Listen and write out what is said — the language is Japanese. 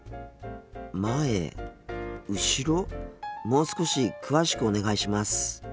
もう少し詳しくお願いします。